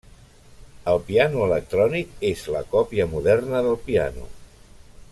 El piano electrònic és la còpia moderna del piano.